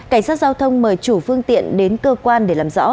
cảnh sát giao thông mời chủ phương tiện đến cơ quan để làm rõ